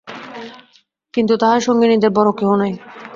কিন্তু, তাহার সঙ্গিনীদেরও বড়ো কেহ নাই।